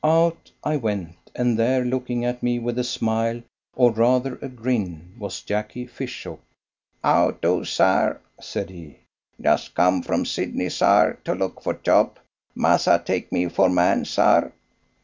Out I went, and there, looking at me with a smile or rather a grin, was Jacky Fishook. "How do, sar?" said he. "Just come from Sydney, sar, to look for job. Massa take me for man, sar?